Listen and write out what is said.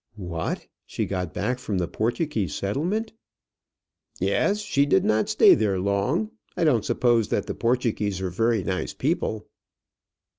"What! She got back from the Portuguese settlement?" "Yes. She did not stay there long. I don't suppose that the Portuguese are very nice people."